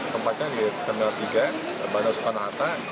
tempatnya di terminal tiga bandara soekarno hatta